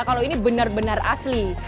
kalau ini benar benar asli